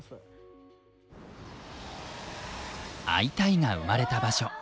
「アイタイ！」が生まれた場所。